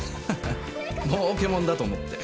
儲けもんだと思って。